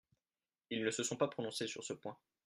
Ils ne se sont pas prononcés sur ce point.